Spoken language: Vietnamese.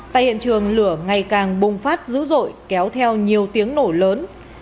tại hiện trường lửa ngày càng bùng phát dữ dội kéo theo nhiều tiếng nổ lớn